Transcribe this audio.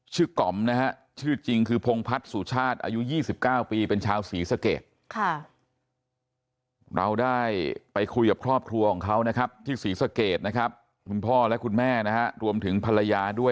ชื่อกำชื่อจริงคือโพงพัชสุชาติอายุ๒๙ปีเป็นชาวศรีสะเกด